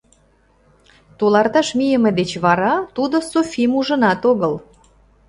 Туларташ мийыме деч вара тудо Софим ужынат огыл.